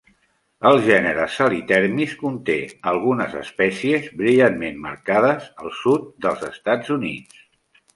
El gènere "Celithermis" conté algunes espècies brillantment marcades al sud dels Estats Units.